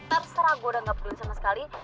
terserah gue udah gak peduli sama sekali